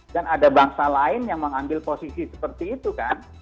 dan ada bangsa lain yang mengambil posisi seperti itu kan